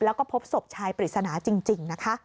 แล้วก็พบศพชายปริศนาจริงนะคะ